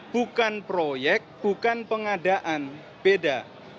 bukan proyek bukan pengadaan beda